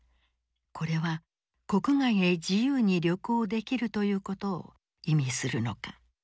これは国外へ自由に旅行できるということを意味するのか。